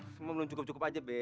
semua belum cukup cukup aja deh